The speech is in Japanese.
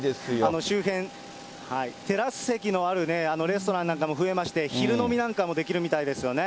周辺、テラス席のあるレストランなんかも増えまして、昼飲みなんかもできるみたいですね。